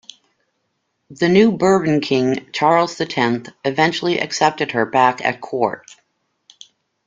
The new Bourbon king, Charles the Tenth, eventually accepted her back at court.